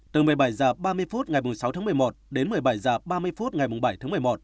từ một mươi bảy h ba mươi phút ngày sáu tháng một mươi một đến một mươi bảy h ba mươi phút ngày bảy tháng một mươi một